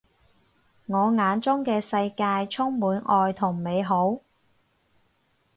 我眼中嘅世界充滿愛同美好